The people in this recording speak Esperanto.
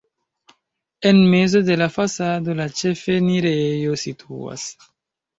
En mezo de la fasado la ĉefenirejo situas.